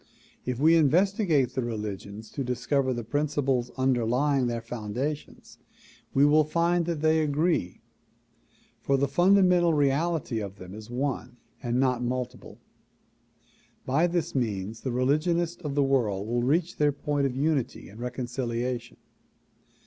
If we investigate the religions to discover the principles underlying their foundations we will find they agree, for the fundamental reality of them is one and not multiple. By this means the religionists of the world will reach their point of unity and reconciliation.